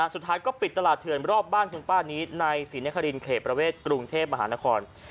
สุดท้ายก็ปิดตลาดเถื่อนรอบบ้านคุณป้านี้ในศรีนครินเขตประเวทกรุงเทพมหานคร